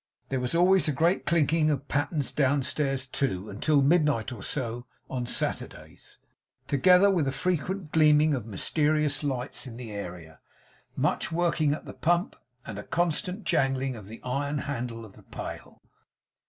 There was always a great clinking of pattens downstairs, too, until midnight or so, on Saturdays; together with a frequent gleaming of mysterious lights in the area; much working at the pump; and a constant jangling of the iron handle of the pail.